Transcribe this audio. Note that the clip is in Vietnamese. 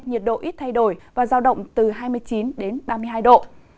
nhiệt độ ít thay đổi và giao động từ hai mươi chín đến ba mươi hai độ